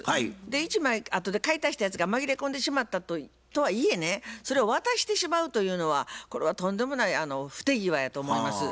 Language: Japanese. １枚あとで買い足したやつが紛れ込んでしまったとはいえねそれを渡してしまうというのはこれはとんでもない不手際やと思います。